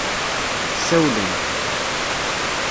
Ssawlent.